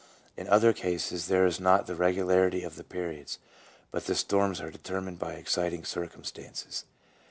In other cases there is not the regularity of the periods, but the storms are determined by exciting circumstances.